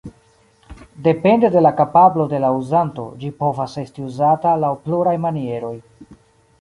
Depende de la kapablo de la uzanto, ĝi povas esti uzata laŭ pluraj manieroj.